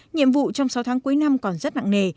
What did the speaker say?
nhiệm vụ trong sáu tháng cuối năm còn rất nặng nề